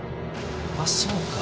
あそうか。